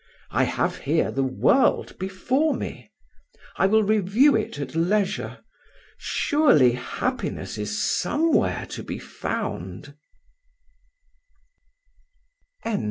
I have here the world before me. I will review it at leisure: surely happiness is somewhere to be found."